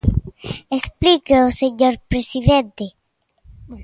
Explíqueo, señor presidente.